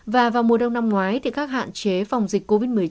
và vào mùa đông năm ngoái thì các hạn chế phòng dịch covid một mươi chín